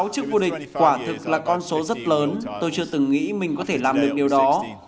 một mươi sáu chiếc vô địch quả thực là con số rất lớn tôi chưa từng nghĩ mình có thể làm được điều đó